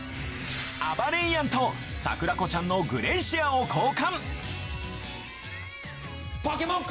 あばれイアンとさくらこちゃんのグレイシアを交換